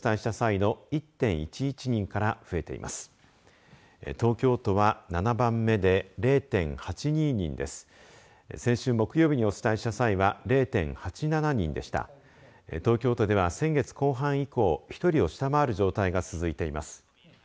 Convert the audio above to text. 東京都では先月後半以降１人を下回る状態が続いています。